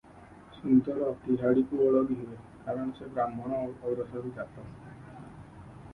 ସୁନ୍ଦର ତିହାଡ଼ିକୁ ଓଳଗି ହୁଏ, କାରଣ ସେ ବ୍ରାହ୍ମଣ ଔରସରୁ ଜାତ ।